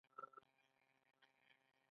د مصنوعي ځیرکتیا پر مټ